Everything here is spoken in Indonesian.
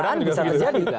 kekuasaan bisa terjadi